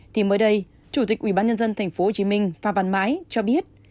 thì mới đây chủ tịch ubnd tp hcm phan văn mãi cho biết